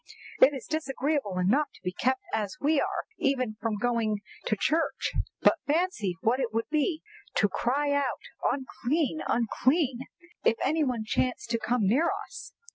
"It is disagreeable enough to be kept as we are even from going to church, but fancy what it would be to have to cry out 'Unclean! unclean!' if any one chanced to come near us!"